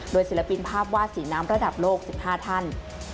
ศิลปินภาพวาดสีน้ำระดับโลก๑๕ท่าน